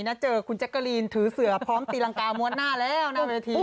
ถ้าสาวต้องเป็น